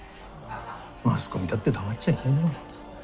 マスコミだって黙っちゃいないよ。